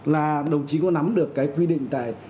là đồng chí có nắm được cái quy định tại